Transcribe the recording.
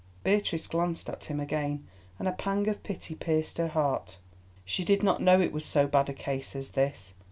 Beatrice glanced at him again, and a pang of pity pierced her heart. She did not know it was so bad a case as this.